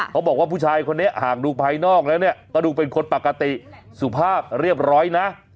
เขาบอกว่าผู้ชายคนนี้หากดูภายนอกแล้วเนี่ยก็ดูเป็นคนปกติสุภาพเรียบร้อยนะ